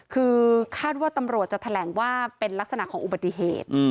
คือคาดว่าตำรวจจะแถลงว่าเป็นลักษณะของอุบัติเหตุ